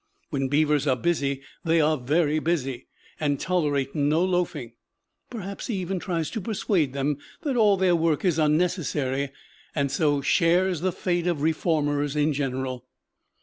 When beavers are busy they are very busy, and tolerate no loafing. Perhaps he even tries to persuade them that all their work is unnecessary, and so shares the fate of reformers in general.